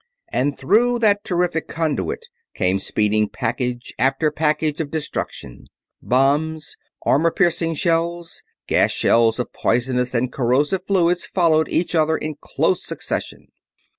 And through that terrific conduit came speeding package after package of destruction. Bombs, armor piercing shells, gas shells of poisonous and corrosive fluids followed each other in close succession.